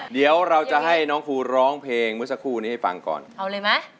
เดี๋ยวเราจะให้น้องครูร้องเพลงเมื่อสักครู่นี้ให้ฟังก่อนเอาเลยไหม